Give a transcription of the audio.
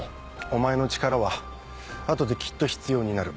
お前の力は後できっと必要になる。